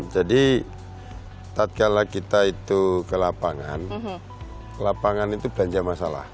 jadi saat kita itu ke lapangan lapangan itu belanja masalah